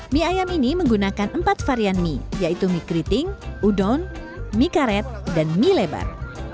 mie ayam ini menggunakan empat varian mie yaitu mie keriting udon mie karet dan mie lebar